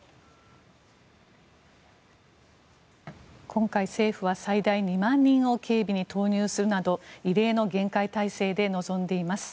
今回、政府は最大２万人を警備に投入するなど異例の厳戒態勢で臨んでいます。